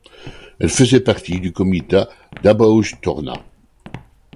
Elle faisait partie du comitat d'Abaúj-Torna.